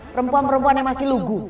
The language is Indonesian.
perempuan perempuan yang masih lugu